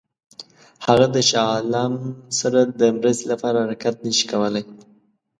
هغه د شاه عالم سره د مرستې لپاره حرکت نه شي کولای.